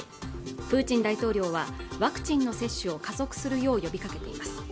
プーチン大統領はワクチンの接種を加速するよう呼びかけています